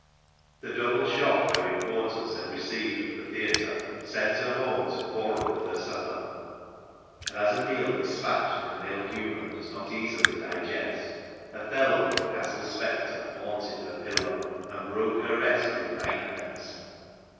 The double shock her importance had received at the theatre sent her home to quarrel with her supper ; and, as a meal despatched in an ill humour does not easily digest, Othello and the Castle Spectre haunted her pillow, and broke her rest with nightmares.